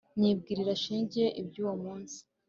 Nyibwirira shenge ibyuwo munsi